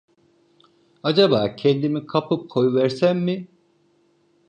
Acaba kendimi kapıp koyuversem mi?